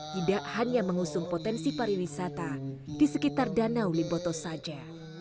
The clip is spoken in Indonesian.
tidak hanya mengusung potensi pariwisata di sekitar danau liboto saja